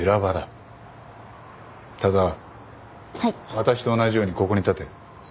私と同じようにここに立て。